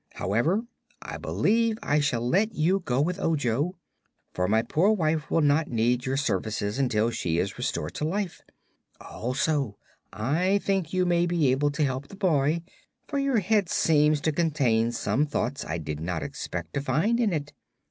However, I believe I shall let you go with Ojo, for my poor wife will not need your services until she is restored to life. Also I think you may be able to help the boy, for your head seems to contain some thoughts I did not expect to find in it.